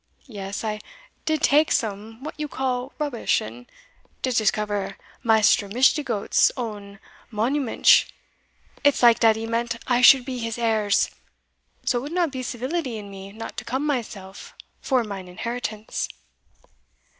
Yes, I did take some what you call rubbish, and did discover Maister Mishdigoat's own monumentsh It's like dat he meant I should be his heirs so it would not be civility in me not to come mineself for mine inheritance."